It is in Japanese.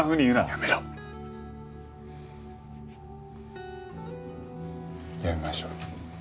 やめましょう。